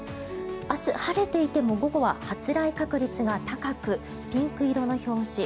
明日、晴れていても午後は発雷確率が高くピンク色の表示。